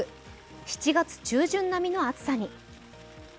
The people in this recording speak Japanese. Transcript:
７月中旬並みの暑さに。